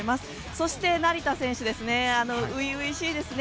そして、成田選手ですね初々しいですよね。